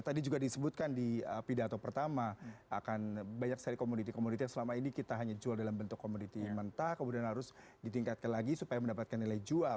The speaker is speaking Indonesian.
tadi juga disebutkan di pidato pertama akan banyak seri komoditi komoditi yang selama ini kita hanya jual dalam bentuk komoditi mentah kemudian harus ditingkatkan lagi supaya mendapatkan nilai jual